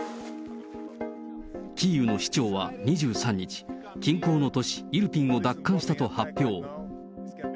キーウの市長は２３日、近郊の都市、イルピンを奪還したと発表。